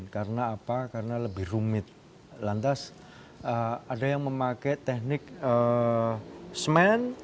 karena apa karena lebih rumit lantas ada yang memakai teknik semen